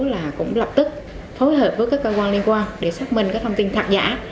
là cũng lập tức phối hợp với các cơ quan liên quan để xác minh các thông tin thật giả